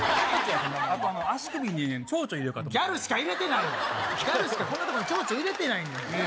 あと足首にちょうちょう入れギャルしか入れてへん、ギャルしかこんな所にちょうちょう入れてないねん。